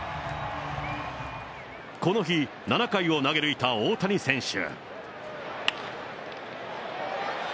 この日、７回を投げ抜いた大谷選手。